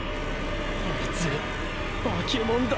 あいつ化物だ。